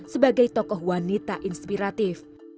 sebagai tokoh wanita inspiratif